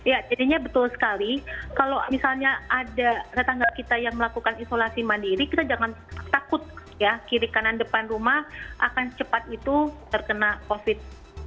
ya jadinya betul sekali kalau misalnya ada tetangga kita yang melakukan isolasi mandiri kita jangan takut ya kiri kanan depan rumah akan secepat itu terkena covid